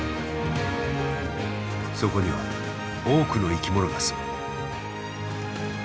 そこには多くの生き物が住む。